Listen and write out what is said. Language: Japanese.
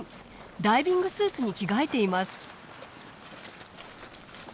ダイビングスーツに着替えています。